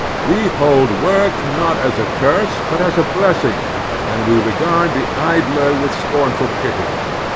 We hold work not as a curse but as a blessing, and we regard the idler with scornful pity.